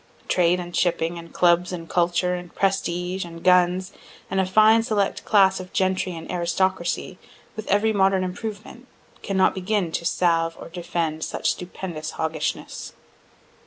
Trade and shipping, and clubs and culture, and prestige, and guns, and a fine select class of gentry and aristocracy, with every modern improvement, cannot begin to salve or defend such stupendous hoggishness.